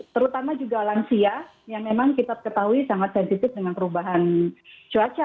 terutama juga lansia yang memang kita ketahui sangat sensitif dengan perubahan cuaca